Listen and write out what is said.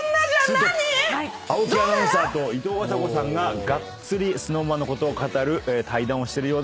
何⁉青木アナウンサーといとうあさこさんががっつりＳｎｏｗＭａｎのことを語る対談をしてるようです。